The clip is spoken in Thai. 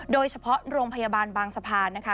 โดยเฉพาะโรงพยาบาลบางสะพานนะคะ